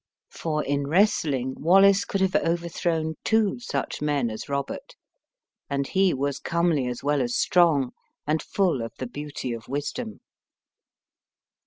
For in wrestling, Wallace could have overthrown two such men as Robert. And he was comely as well as strong, and full of the beauty of wisdom.'"